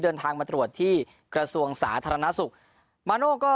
เดินทางมาตรวจที่กระทรวงสาธารณสุขมาโน่ก็